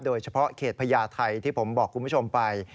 โดยเฉพาะเขตพญาไทยที่ผมบอกคุณผู้ชมไป